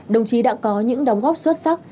đồng chí đã có những đóng góp xuất sắc